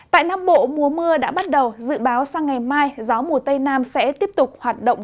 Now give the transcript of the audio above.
tại nam bộ mùa mưa đã bắt đầu dự báo sang ngày mai gió mùa tây nam sẽ tiếp tục hoạt động